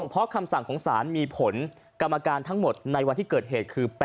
เพราะคำสั่งของศาลมีผลกรรมการทั้งหมดในวันที่เกิดเหตุคือ